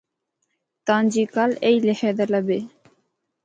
تاں جی کال ایہہ لخے دا لبھے۔